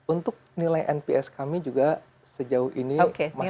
untuk nilai nps kami juga sejauh ini masih